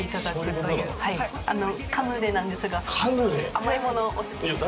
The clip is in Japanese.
甘いものはお好きですか？